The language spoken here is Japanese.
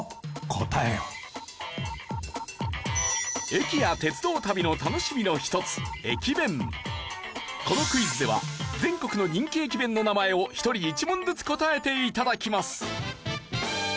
駅や鉄道旅の楽しみの一つこのクイズでは全国の人気駅弁の名前を１人１問ずつ答えて頂きます。